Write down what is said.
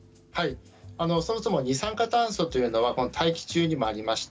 そもそも二酸化炭素というのは大気中にもありまして